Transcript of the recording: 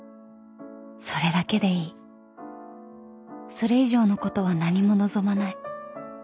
［それ以上のことは何も望まない］